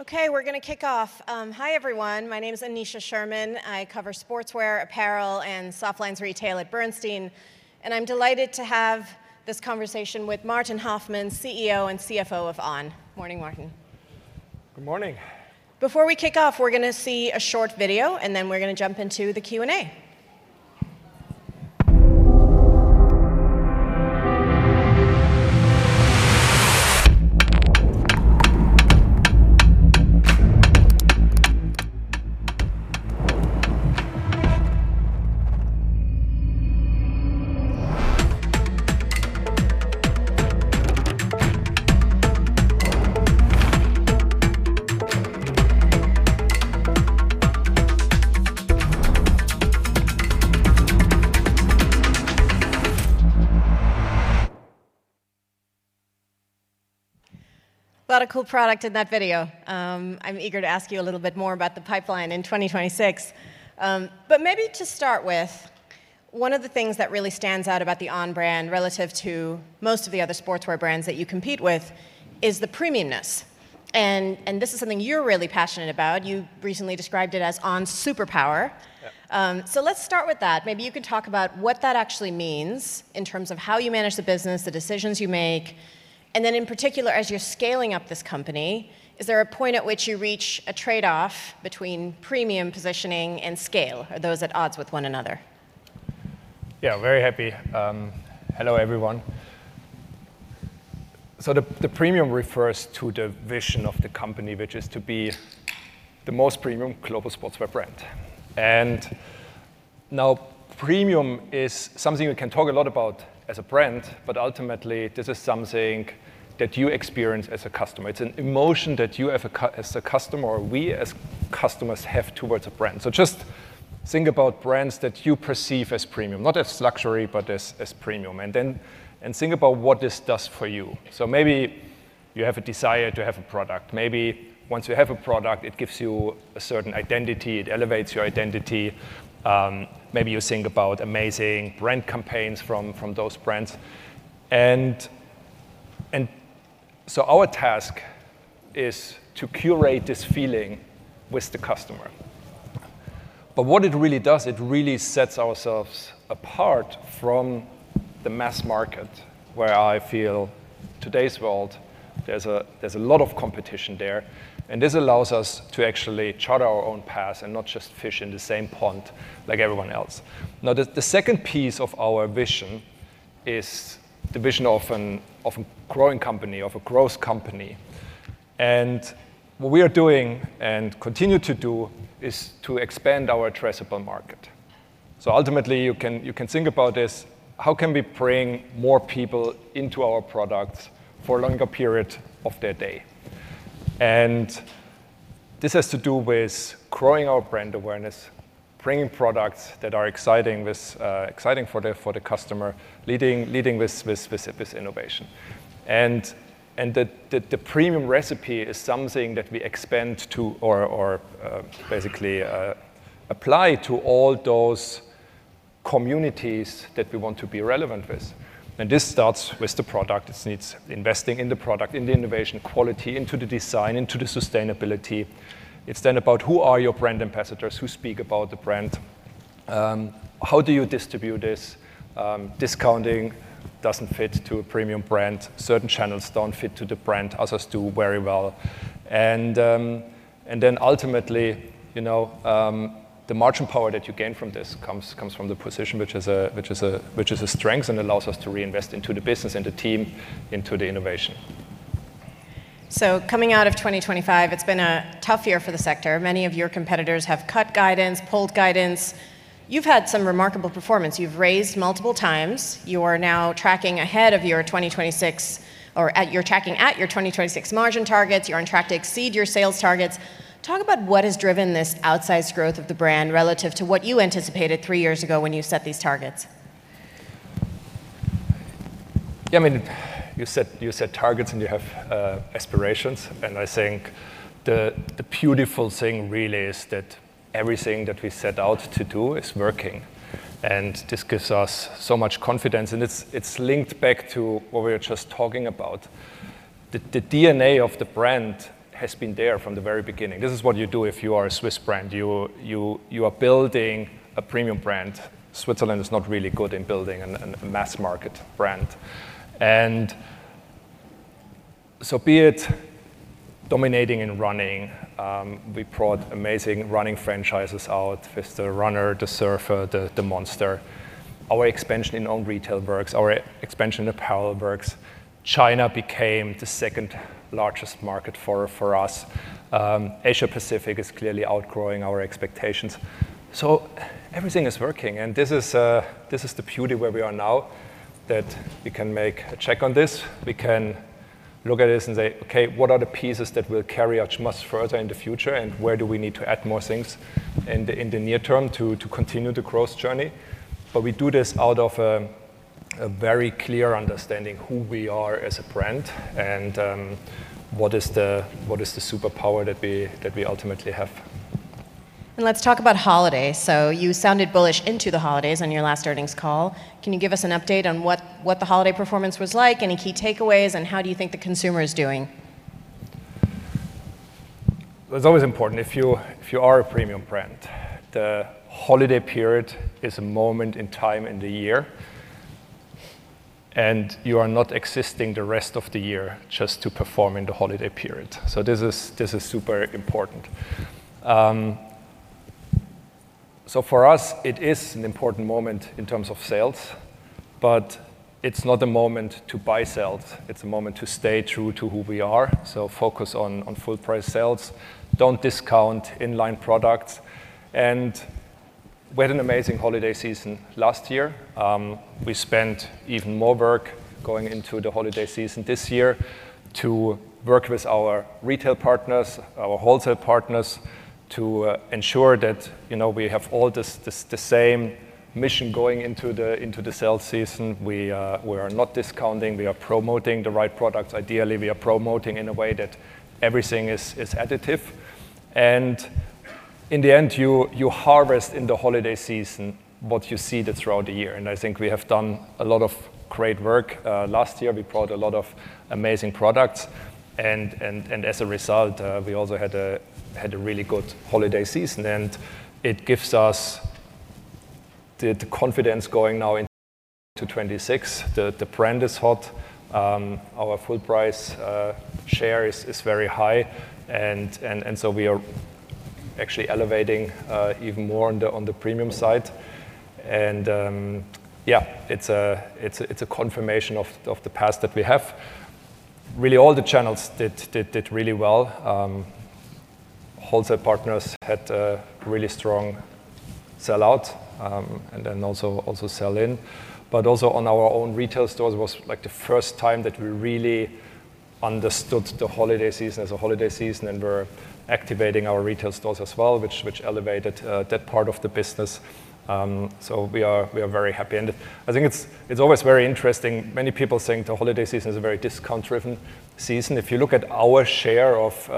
Okay, we're going to kick off. Hi, everyone. My name is Aneesha Sherman. I cover sportswear, apparel, and soft lines retail at Bernstein. I'm delighted to have this conversation with Martin Hoffmann, CEO and CFO of On. Morning, Martin. Good morning. Before we kick off, we're going to see a short video, and then we're going to jump into the Q&A. A lot of cool product in that video. I'm eager to ask you a little bit more about the pipeline in 2026. But maybe to start with, one of the things that really stands out about the On brand relative to most of the other sportswear brands that you compete with is the premiumness. And this is something you're really passionate about. You recently described it as On's superpower. So let's start with that. Maybe you can talk about what that actually means in terms of how you manage the business, the decisions you make, and then in particular, as you're scaling up this company, is there a point at which you reach a trade-off between premium positioning and scale? Are those at odds with one another? Yeah, very happy. Hello, everyone. So the premium refers to the vision of the company, which is to be the most premium global sportswear brand. And now, premium is something we can talk a lot about as a brand, but ultimately, this is something that you experience as a customer. It's an emotion that you, as a customer, or we, as customers, have towards a brand. So just think about brands that you perceive as premium, not as luxury, but as premium. And then think about what this does for you. So maybe you have a desire to have a product. Maybe once you have a product, it gives you a certain identity. It elevates your identity. Maybe you think about amazing brand campaigns from those brands. And so our task is to curate this feeling with the customer. What it really does, it really sets ourselves apart from the mass market, where I feel today's world, there's a lot of competition there. This allows us to actually chart our own path and not just fish in the same pond like everyone else. Now, the second piece of our vision is the vision of a growing company, of a growth company. What we are doing and continue to do is to expand our addressable market. So ultimately, you can think about this. How can we bring more people into our products for a longer period of their day? This has to do with growing our brand awareness, bringing products that are exciting for the customer, leading with innovation. The premium recipe is something that we expand to, or basically apply to, all those communities that we want to be relevant with. This starts with the product. It needs investing in the product, in the innovation, quality, into the design, into the sustainability. It's then about who are your brand ambassadors, who speak about the brand. How do you distribute this? Discounting doesn't fit to a premium brand. Certain channels don't fit to the brand. Others do very well. Then ultimately, the margin power that you gain from this comes from the position, which is a strength and allows us to reinvest into the business and the team, into the innovation. So coming out of 2025, it's been a tough year for the sector. Many of your competitors have cut guidance, pulled guidance. You've had some remarkable performance. You've raised multiple times. You are now tracking ahead of your 2026, or you're tracking at your 2026 margin targets. You're on track to exceed your sales targets. Talk about what has driven this outsized growth of the brand relative to what you anticipated three years ago when you set these targets. Yeah, I mean, you set targets and you have aspirations, and I think the beautiful thing really is that everything that we set out to do is working, and this gives us so much confidence, and it's linked back to what we were just talking about. The DNA of the brand has been there from the very beginning. This is what you do if you are a Swiss brand. You are building a premium brand. Switzerland is not really good in building a mass market brand, and so be it dominating in running. We brought amazing running franchises out, first, the Runner, the Surfer, the Monster. Our expansion in On retail works. Our expansion in apparel works. China became the second largest market for us. Asia Pacific is clearly outgrowing our expectations, so everything is working. This is the beauty where we are now, that we can make a check on this. We can look at this and say, okay, what are the pieces that will carry us much further in the future? And where do we need to add more things in the near term to continue the growth journey? But we do this out of a very clear understanding of who we are as a brand and what is the superpower that we ultimately have. Let's talk about holidays. You sounded bullish into the holidays on your last earnings call. Can you give us an update on what the holiday performance was like, any key takeaways, and how do you think the consumer is doing? It's always important. If you are a premium brand, the holiday period is a moment in time in the year. And you are not existing the rest of the year just to perform in the holiday period. So this is super important. So for us, it is an important moment in terms of sales. But it's not a moment to buy sales. It's a moment to stay true to who we are. So focus on full-price sales. Don't discount inline products. And we had an amazing holiday season last year. We spent even more work going into the holiday season this year to work with our retail partners, our wholesale partners, to ensure that we have all the same mission going into the sales season. We are not discounting. We are promoting the right products. Ideally, we are promoting in a way that everything is additive. In the end, you harvest in the holiday season what you see throughout the year. I think we have done a lot of great work. Last year, we brought a lot of amazing products. As a result, we also had a really good holiday season. It gives us the confidence going now into 2026. The brand is hot. Our full-price share is very high. We are actually elevating even more on the premium side. Yeah, it's a confirmation of the past that we have. Really, all the channels did really well. Wholesale partners had a really strong sell-out and then also sell-in. Also on our own retail stores, it was like the first time that we really understood the holiday season as a holiday season. We're activating our retail stores as well, which elevated that part of the business. We are very happy. I think it's always very interesting. Many people think the holiday season is a very discount-driven season. If you look at our share of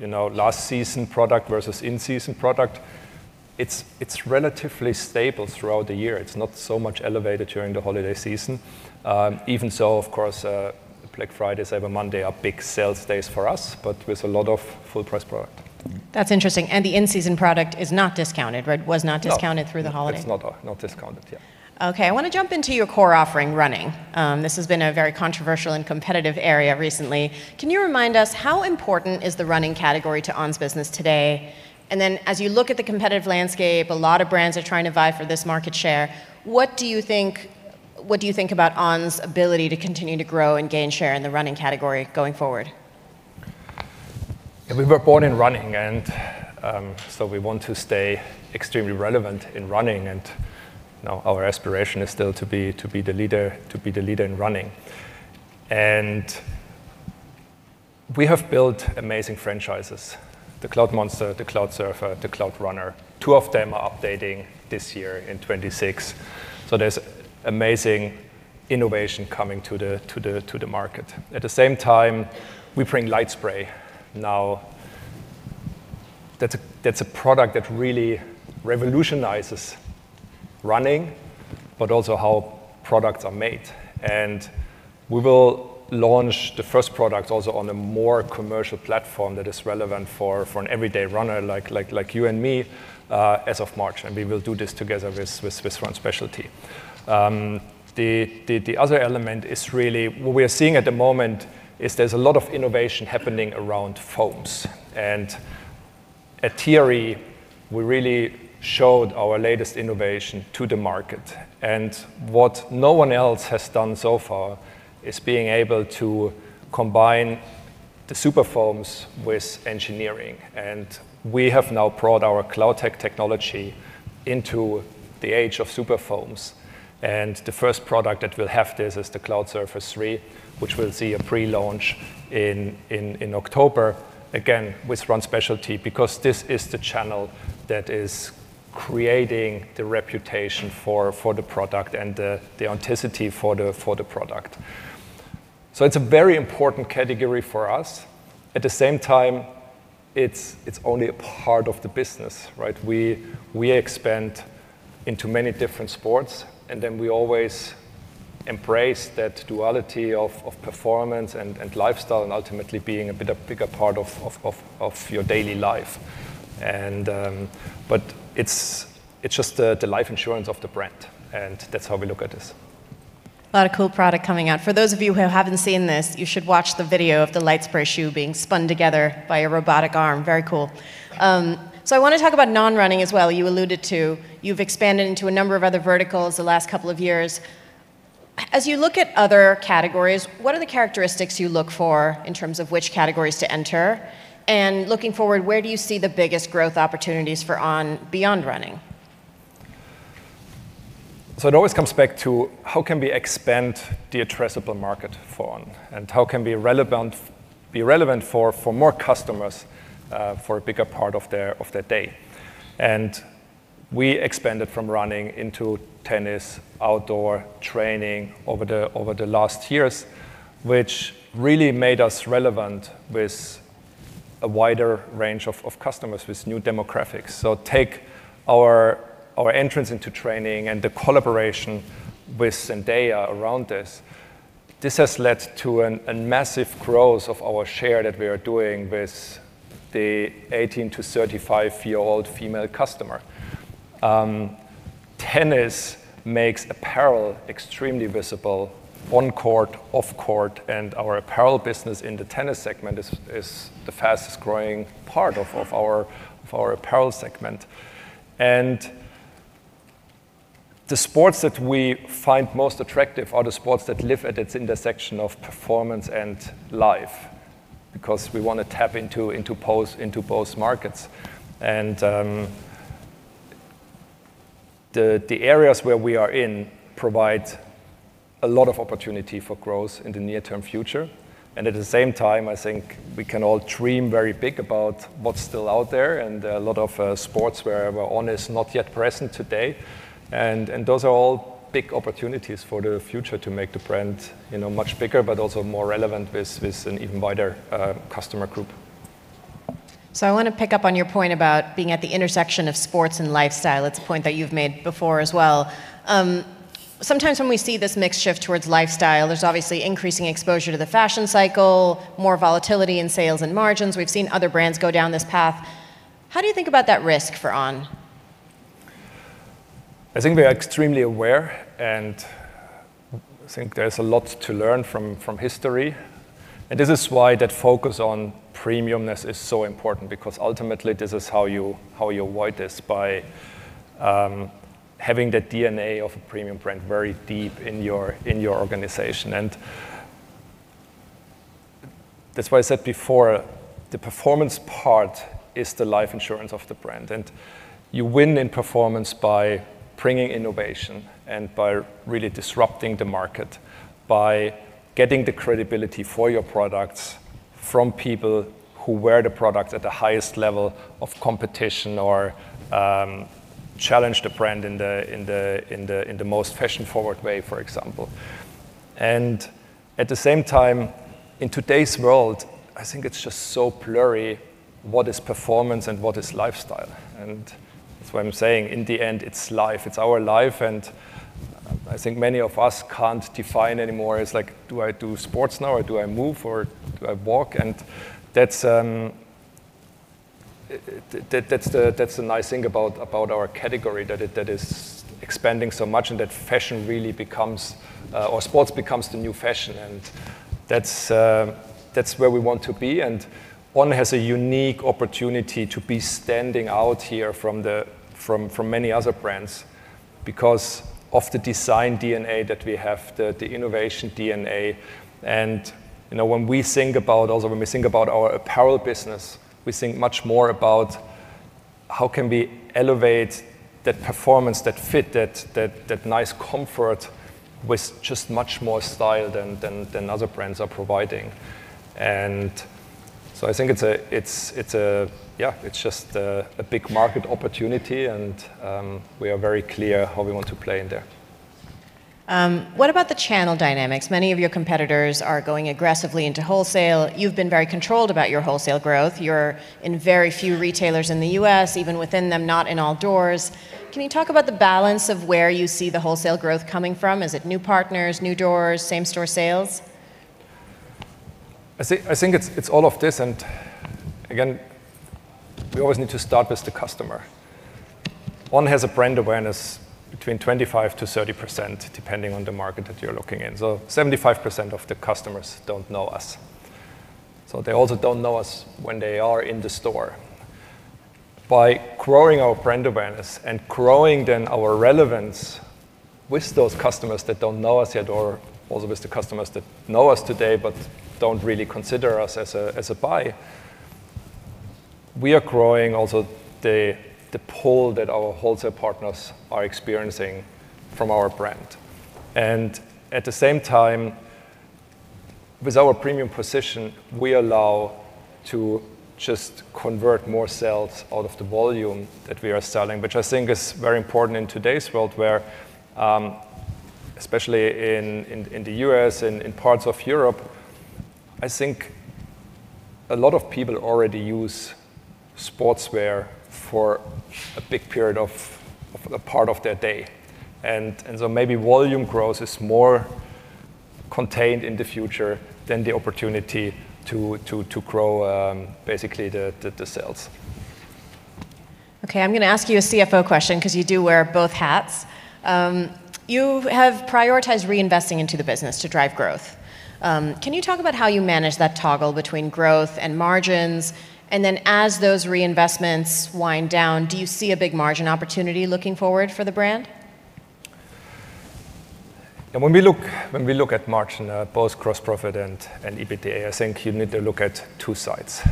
last season product versus in-season product, it's relatively stable throughout the year. It's not so much elevated during the holiday season. Even so, of course, Black Friday, Cyber Monday are big sales days for us, but with a lot of full-price product. That's interesting. And the in-season product is not discounted, right? Was not discounted through the holiday. It's not discounted, yeah. OK, I want to jump into your core offering, running. This has been a very controversial and competitive area recently. Can you remind us how important is the running category to On's business today? And then as you look at the competitive landscape, a lot of brands are trying to vie for this market share. What do you think about On's ability to continue to grow and gain share in the running category going forward? Yeah, we were born in running. So we want to stay extremely relevant in running. Our aspiration is still to be the leader in running. We have built amazing franchises: the Cloudmonster, the Cloudsurfer, the Cloudrunner. Two of them are updating this year in 2026. So there's amazing innovation coming to the market. At the same time, we bring LightSpray now. That's a product that really revolutionizes running, but also how products are made. We will launch the first product also on a more commercial platform that is relevant for an everyday runner like you and me as of March. We will do this together with Swiss run specialty. The other element is really what we are seeing at the moment is there's a lot of innovation happening around foams. At TRE, we really showed our latest innovation to the market. What no one else has done so far is being able to combine the superfoams with engineering. We have now brought our CloudTec technology into the age of superfoams. The first product that will have this is the Cloudsurfer 3, which we'll see a pre-launch in October, again, with run specialty, because this is the channel that is creating the reputation for the product and the authenticity for the product. It's a very important category for us. At the same time, it's only a part of the business, right? We expand into many different sports. We always embrace that duality of performance and lifestyle and ultimately being a bigger part of your daily life. It's just the life insurance of the brand. That's how we look at this. A lot of cool product coming out. For those of you who haven't seen this, you should watch the video of the LightSpray shoe being spun together by a robotic arm. Very cool, so I want to talk about non-running as well. You alluded to you've expanded into a number of other verticals the last couple of years. As you look at other categories, what are the characteristics you look for in terms of which categories to enter, and looking forward, where do you see the biggest growth opportunities for On beyond running? It always comes back to how can we expand the addressable market for On and how can we be relevant for more customers for a bigger part of their day? We expanded from running into tennis, outdoor training over the last years, which really made us relevant with a wider range of customers, with new demographics. Take our entrance into training and the collaboration with Zendaya around this. This has led to a massive growth of our share that we are doing with the 18-35-year-old female customer. Tennis makes apparel extremely visible on court, off court. Our apparel business in the tennis segment is the fastest growing part of our apparel segment. The sports that we find most attractive are the sports that live at its intersection of performance and life, because we want to tap into both markets. The areas where we are in provide a lot of opportunity for growth in the near-term future. At the same time, I think we can all dream very big about what's still out there. A lot of sports where On is not yet present today. Those are all big opportunities for the future to make the brand much bigger, but also more relevant with an even wider customer group. So I want to pick up on your point about being at the intersection of sports and lifestyle. It's a point that you've made before as well. Sometimes when we see this mixed shift towards lifestyle, there's obviously increasing exposure to the fashion cycle, more volatility in sales and margins. We've seen other brands go down this path. How do you think about that risk for On? I think we are extremely aware, and I think there's a lot to learn from history, and this is why that focus on premiumness is so important, because ultimately this is how you avoid this by having the DNA of a premium brand very deep in your organization. And that's why I said before, the performance part is the life insurance of the brand, and you win in performance by bringing innovation and by really disrupting the market, by getting the credibility for your products from people who wear the product at the highest level of competition or challenge the brand in the most fashion-forward way, for example. And at the same time, in today's world, I think it's just so blurry what is performance and what is lifestyle, and that's why I'm saying in the end, it's life. It's our life. I think many of us can't define anymore. It's like, do I do sports now, or do I move, or do I walk? That's the nice thing about our category that is expanding so much and that fashion really becomes, or sports becomes the new fashion. That's where we want to be. On has a unique opportunity to be standing out here from many other brands because of the design DNA that we have, the innovation DNA. When we think about, also when we think about our apparel business, we think much more about how can we elevate that performance, that fit, that nice comfort with just much more style than other brands are providing. I think it's a, yeah, it's just a big market opportunity. We are very clear how we want to play in there. What about the channel dynamics? Many of your competitors are going aggressively into wholesale. You've been very controlled about your wholesale growth. You're in very few retailers in the U.S., even within them, not in all doors. Can you talk about the balance of where you see the wholesale growth coming from? Is it new partners, new doors, same-store sales? I think it's all of this, and again, we always need to start with the customer. On has a brand awareness between 25%-30%, depending on the market that you're looking in. So 75% of the customers don't know us, so they also don't know us when they are in the store. By growing our brand awareness and growing then our relevance with those customers that don't know us yet, or also with the customers that know us today but don't really consider us as a buy, we are growing also the pull that our wholesale partners are experiencing from our brand. At the same time, with our premium position, we allow to just convert more sales out of the volume that we are selling, which I think is very important in today's world where, especially in the U.S., in parts of Europe, I think a lot of people already use sportswear for a big period of part of their day. So maybe volume growth is more contained in the future than the opportunity to grow basically the sales. OK, I'm going to ask you a CFO question because you do wear both hats. You have prioritized reinvesting into the business to drive growth. Can you talk about how you manage that toggle between growth and margins? And then as those reinvestments wind down, do you see a big margin opportunity looking forward for the brand? When we look at margin, both gross profit and EBITDA, I think you need to look at two sides.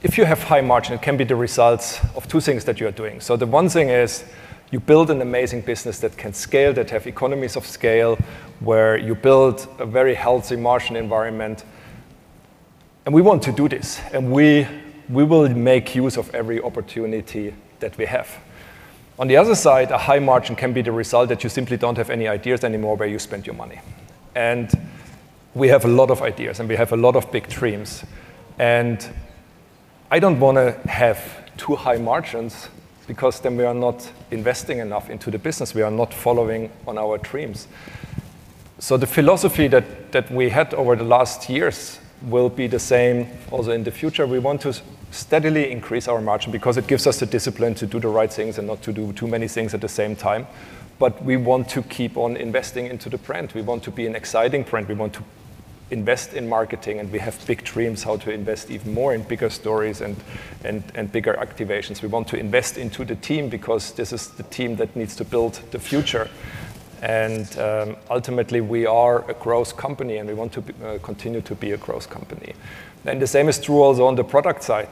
If you have high margin, it can be the result of two things that you are doing. So the one thing is you build an amazing business that can scale, that have economies of scale, where you build a very healthy margin environment. And we want to do this. And we will make use of every opportunity that we have. On the other side, a high margin can be the result that you simply don't have any ideas anymore where you spend your money. And we have a lot of ideas. And we have a lot of big dreams. And I don't want to have too high margins because then we are not investing enough into the business. We are not following on our dreams. The philosophy that we had over the last years will be the same also in the future. We want to steadily increase our margin because it gives us the discipline to do the right things and not to do too many things at the same time. We want to keep on investing into the brand. We want to be an exciting brand. We want to invest in marketing. We have big dreams how to invest even more in bigger stories and bigger activations. We want to invest into the team because this is the team that needs to build the future. Ultimately, we are a growth company. We want to continue to be a growth company. The same is true also on the product side.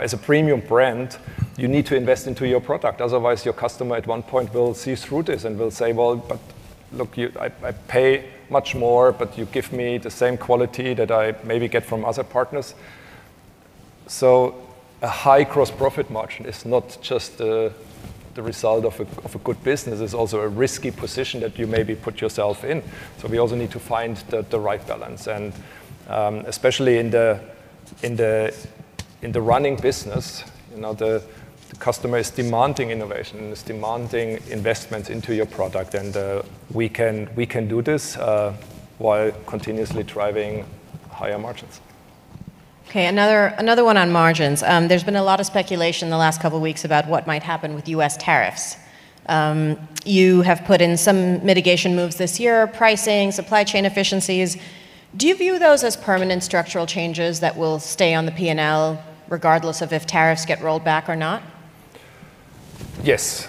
As a premium brand, you need to invest into your product. Otherwise, your customer at one point will see through this and will say, well, but look, I pay much more, but you give me the same quality that I maybe get from other partners. So a high gross-profit margin is not just the result of a good business. It's also a risky position that you maybe put yourself in. So we also need to find the right balance. And especially in the running business, the customer is demanding innovation. And it's demanding investments into your product. And we can do this while continuously driving higher margins. OK, another one on margins. There's been a lot of speculation in the last couple of weeks about what might happen with U.S. tariffs. You have put in some mitigation moves this year: pricing, supply chain efficiencies. Do you view those as permanent structural changes that will stay on the P&L regardless of if tariffs get rolled back or not? Yes.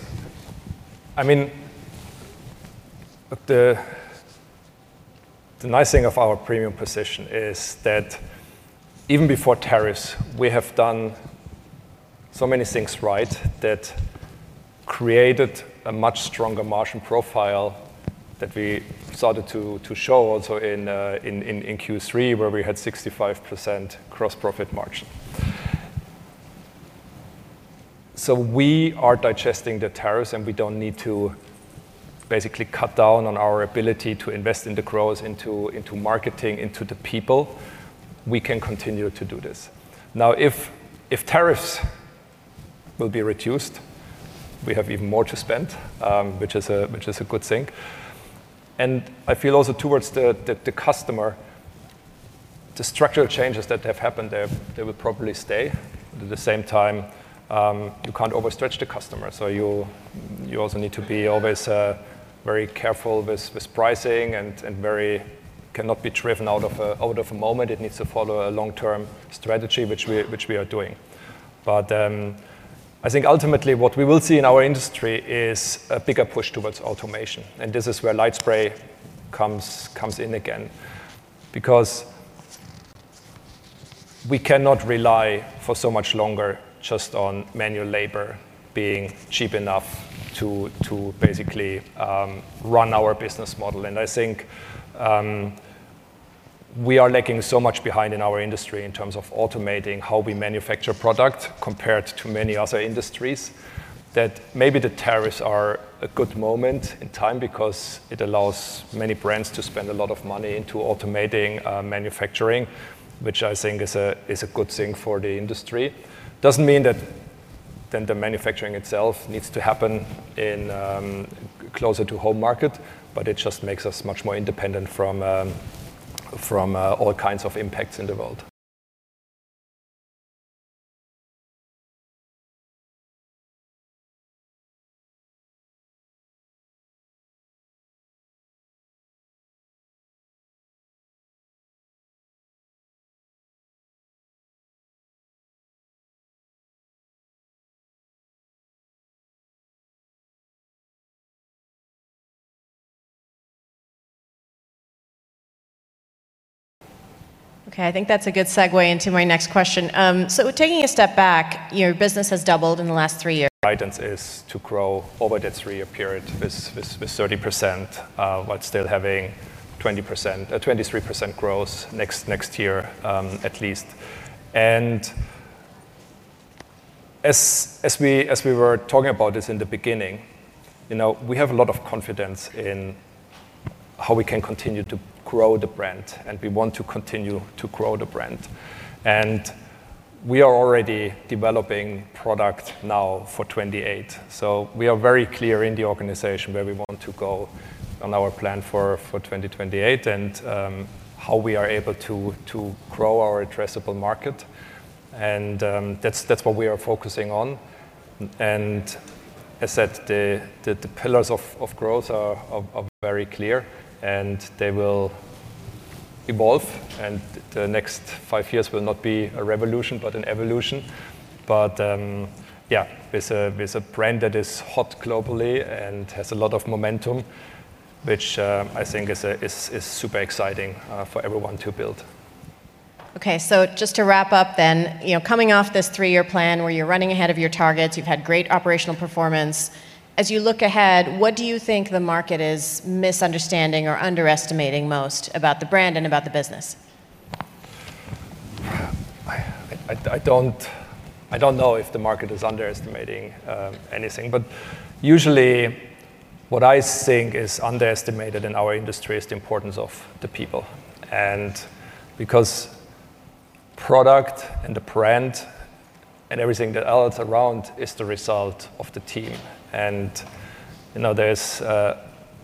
I mean, the nice thing of our premium position is that even before tariffs, we have done so many things right that created a much stronger margin profile that we started to show also in Q3, where we had 65% gross profit margin. So we are digesting the tariffs. And we don't need to basically cut down on our ability to invest in the growth, into marketing, into the people. We can continue to do this. Now, if tariffs will be reduced, we have even more to spend, which is a good thing. And I feel also towards the customer, the structural changes that have happened, they will probably stay. At the same time, you can't overstretch the customer. So you also need to be always very careful with pricing and cannot be driven out of a moment. It needs to follow a long-term strategy, which we are doing. But I think ultimately what we will see in our industry is a bigger push towards automation. And this is where LightSpray comes in again, because we cannot rely for so much longer just on manual labor being cheap enough to basically run our business model. And I think we are lagging so much behind in our industry in terms of automating how we manufacture product compared to many other industries that maybe the tariffs are a good moment in time, because it allows many brands to spend a lot of money into automating manufacturing, which I think is a good thing for the industry. It doesn't mean that then the manufacturing itself needs to happen closer to home market, but it just makes us much more independent from all kinds of impacts in the world. Okay, I think that's a good segue into my next question. So taking a step back, your business has doubled in the last three years. Guidance is to grow over that three-year period with 30% while still having 23% growth next year, at least. And as we were talking about this in the beginning, we have a lot of confidence in how we can continue to grow the brand. And we want to continue to grow the brand. And we are already developing product now for 2028. So we are very clear in the organization where we want to go on our plan for 2028 and how we are able to grow our addressable market. And that's what we are focusing on. And as said, the pillars of growth are very clear. And they will evolve. And the next five years will not be a revolution, but an evolution. But yeah, with a brand that is hot globally and has a lot of momentum, which I think is super exciting for everyone to build. OK, so just to wrap up then, coming off this three-year plan where you're running ahead of your targets, you've had great operational performance. As you look ahead, what do you think the market is misunderstanding or underestimating most about the brand and about the business? I don't know if the market is underestimating anything, but usually what I think is underestimated in our industry is the importance of the people, because product and the brand and everything that's around is the result of the team.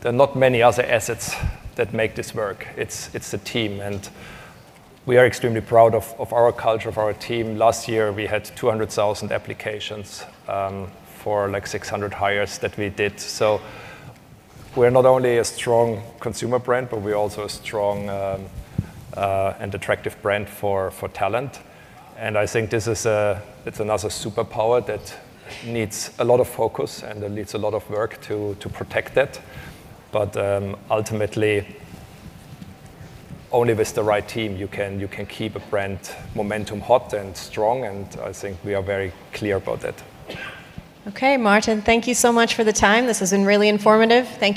There are not many other assets that make this work. It's the team. We are extremely proud of our culture, of our team. Last year, we had 200,000 applications for like 600 hires that we did. We're not only a strong consumer brand, but we're also a strong and attractive brand for talent. I think this is another superpower that needs a lot of focus and that needs a lot of work to protect that. Ultimately, only with the right team, you can keep a brand momentum hot and strong. I think we are very clear about that. Okay, Martin, thank you so much for the time. This has been really informative. Thanks.